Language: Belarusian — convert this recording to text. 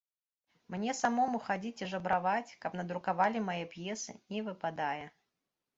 Мне самому хадзіць і жабраваць, каб надрукавалі мае п'есы, не выпадае.